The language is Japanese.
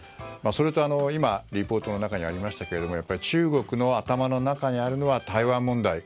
それと今、リポートの中にありましたが中国の頭の中にあるのは台湾問題。